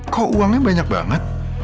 kok uangnya banyak banget